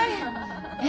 え